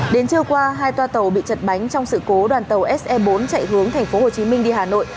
đến trưa qua hai toa tàu bị chật bánh trong sự cố đoàn tàu se bốn chạy hướng tp hcm đi hà nội